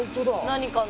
何かの。